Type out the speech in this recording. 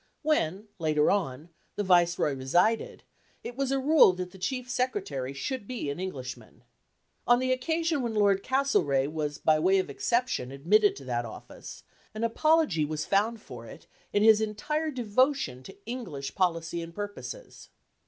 When, later on, the Viceroy resided, it was a rule that the Chief Secretary should be an Englishman. On the occasion when Lord Castlereagh was by way of exception admitted to that office, an apology was found for it in his entire devotion to English policy and purposes.